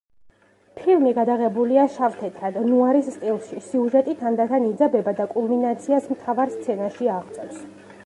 ფილმი გადაღებულია შავ-თეთრად, ნუარის სტილში, სიუჟეტი თანდათან იძაბება და კულმინაციას მთავარ სცენაში აღწევს.